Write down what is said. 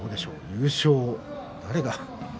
優勝を誰が。